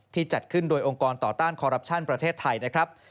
ที่จัดขึ้นโดยองค์กรต่อต้านคอรับชั่นประเทศไทย